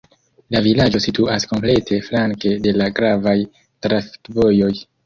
La vilaĝo situas komplete flanke de la gravaj trafikvojoj.